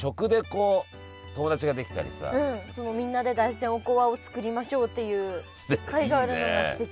うんみんなで大山おこわを作りましょうっていう会があるのがすてき。